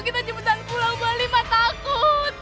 kita ciputan pulang bu alima takut